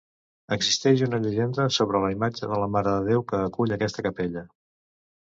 Existeix una llegenda sobre la imatge de la Mare de Déu que acull aquesta capella.